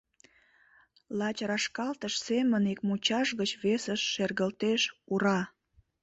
Лач рашкалтыш семын ик мучаш гыч весыш шергылтеш «ура!»